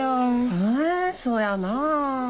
えそやなあ。